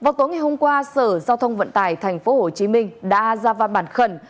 vào tối ngày hôm qua sở giao thông vận tải tp hcm đã ra văn bản khẩn